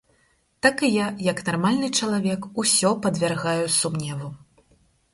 Так і я, як нармальны чалавек, усё падвяргаю сумневу.